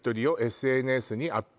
「ＳＮＳにアップ